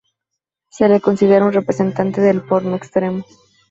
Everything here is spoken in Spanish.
Se le considera un representante del Porno Extremo.